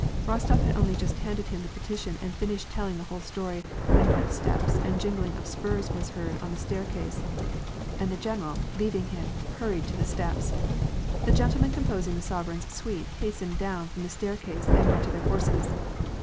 Eostof had only just handed him the petition and finished telling the whole story, when quick steps and a jingling of spurs was heard, on the staircase, and the general, leaving him, hurried to the steps. The gentlemen composing the sovereign's suite hastened down from the staircase and went to their horses.